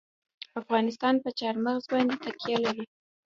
افغانستان په چار مغز باندې تکیه لري.